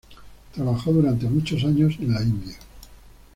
Trabajó durante muchos años en la India.